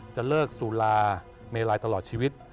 จะเลิกสุราเมลายตลอดชีวิต